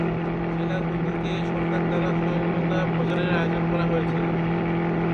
জেলাগুলিতে সরকার দ্বারা সচেতনতা প্রচারের আয়োজন করা হয়েছিল।